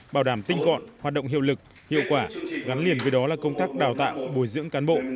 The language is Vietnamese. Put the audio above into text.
bảo đảm tinh gọn hoạt động hiệu lực hiệu quả gắn liền với đó là công tác đào tạo bồi dưỡng cán bộ